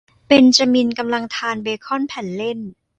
เบนจามินกำลังทานเบค่อนแผ่นเล่น